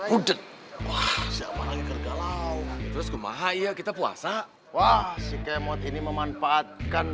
udet wah siapa lagi kergalau terus kemahaya kita puasa wah si kemot ini memanfaatkan